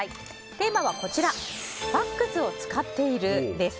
テーマはファックスを使っているです。